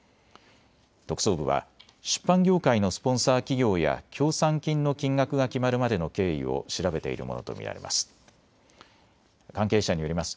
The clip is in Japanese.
特捜部は出版業界のスポンサー企業や協賛金の金額が決まるまでの経緯を調べているものと見られます。